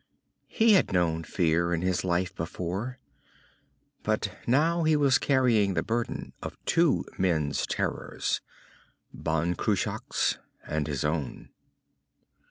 He had known fear in his life before. But now he was carrying the burden of two men's terrors Ban Cruach's, and his own.